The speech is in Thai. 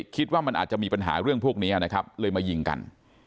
คิดว่ามันอาจจะมีปัญหาเรื่องพวกนี้นะครับเลยมายิงกัน